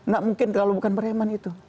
gak mungkin kalau bukan preman itu